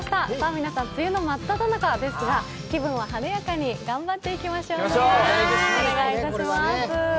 皆さん梅雨の真っただ中ですが気分も晴れやかに頑張っていきましょうね。